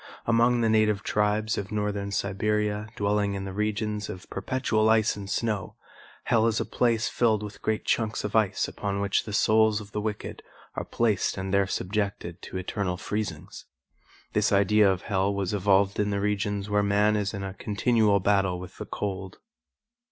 Among the native tribes of Northern Siberia dwelling in the regions of perpetual ice and snow, hell is a place filled with great chunks of ice upon which the souls of the wicked are placed and there subjected to eternal freezings. This idea of hell was evolved in the regions where man is in a continual battle with the cold.